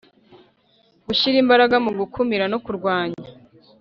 Gushyira imbaraga mu gukumira no kurwanya